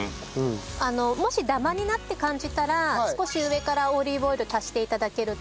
もしダマになって感じたら少し上からオリーブオイル足して頂けると。